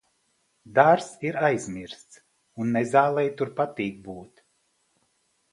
Dārzs ir aizmirsts un nezālei tur patīk būt.